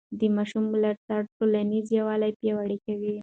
د ماشوم ملاتړ ټولنیز یووالی پیاوړی کوي.